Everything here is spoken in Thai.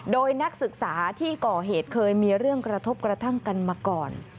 โดยนักศึกษาที่ก่อเหตุเคยมีเรื่องกระทบกระทั่งกันมาก่อน